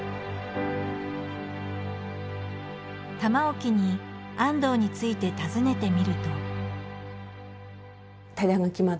玉置に安藤について尋ねてみると。